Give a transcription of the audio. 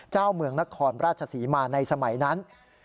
เจ้าเมืองนครราชสีมาในสมัยนั้น